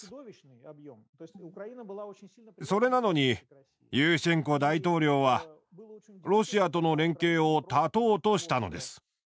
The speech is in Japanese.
それなのにユーシェンコ大統領はロシアとの連携を断とうとしたのです。